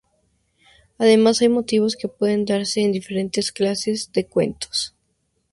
Además hay motivos que pueden darse en diferentes clases de cuentos.